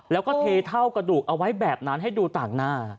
แล้วก็เทเท่ากระดูกเอาไว้แบบนั้นให้ดูต่างหน้า